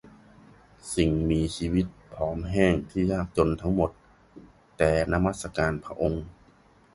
สิ่งมีชีวิตผอมแห้งที่ยากจนทั้งหมด แต่นมัสการพระองค์